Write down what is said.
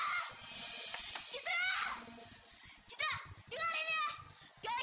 aku harus keluar dari sini